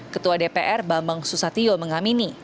ketua dpr bambang susatyo mengamini